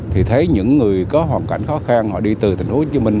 thì thấy những người có hoàn cảnh khó khăn họ đi từ thành phố hồ chí minh